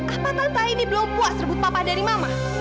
apa tante ini belum puas rebut papa dari mama